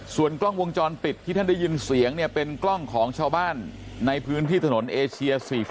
ส่วนกล้องวงจรปิดที่ท่านได้ยินเสียงเนี่ยเป็นกล้องของชาวบ้านในพื้นที่ถนนเอเชีย๔๔